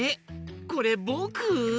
これぼく？